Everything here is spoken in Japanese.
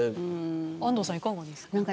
安藤さん、いかがですか。